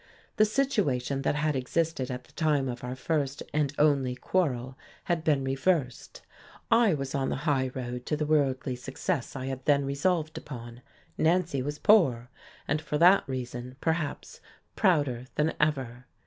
The situation that had existed at the time of our first and only quarrel had been reversed, I was on the highroad to the worldly success I had then resolved upon, Nancy was poor, and for that reason, perhaps, prouder than ever.